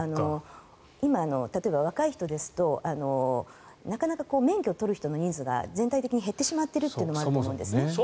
今、例えば、若い人ですとなかなか免許を取る人の人数が全体的に減ってしまっているというのもあると思うんですね。